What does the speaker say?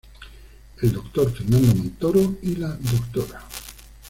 El Dr. Fernando Montoro y la Dra.